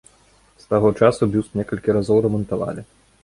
З таго часу бюст некалькі разоў рамантавалі.